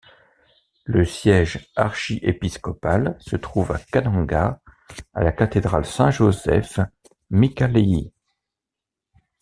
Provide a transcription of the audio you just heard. Le siège archiépiscopal se trouve à Kananga, à la cathédrale Saint-Joseph-Mikalayi.